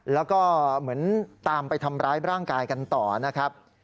แล้วก็เหมือนตามไปทำร้ายร่างกายกันต่อนะครับ